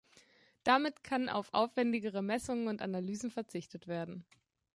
Damit kann auf aufwendigere Messungen und Analysen verzichtet werden.